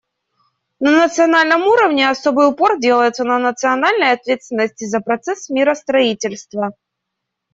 На национальном уровне особый упор делается на национальной ответственности за процесс миростроительства.